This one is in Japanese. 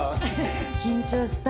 緊張した。